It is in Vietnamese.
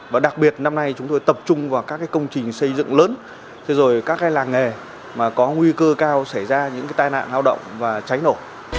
và đặc biệt năm nay chúng tôi tập trung vào các công trình xây dựng lớn rồi các làng nghề mà có nguy cơ cao xảy ra những tai nạn lao động và cháy nổ